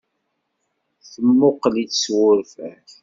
Nemmuqqel-itt s wurfan.